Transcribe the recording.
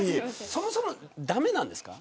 そもそも駄目なんですか。